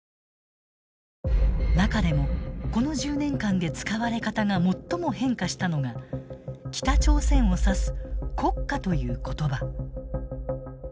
中でもこの１０年間で使われ方が最も変化したのが北朝鮮を指す「国家」という言葉。